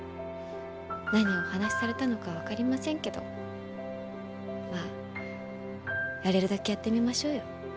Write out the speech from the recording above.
何をお話しされたのか分かりませんけどまあやれるだけやってみましょうよ。